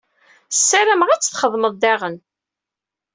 Ssarameɣ ad t-xedmeɣ daɣen.